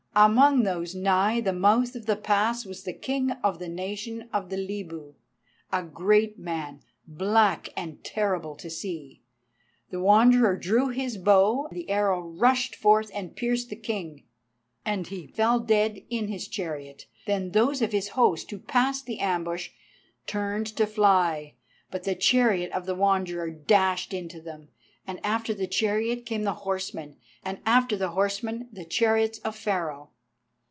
Among those nigh the mouth of the pass was the king of the nation of the Libu, a great man, black and terrible to see. The Wanderer drew his bow, the arrow rushed forth and pierced the king, and he fell dead in his chariot. Then those of his host who passed the ambush turned to fly, but the chariot of the Wanderer dashed into them, and after the chariot came the horsemen, and after the horsemen the chariots of Pharaoh.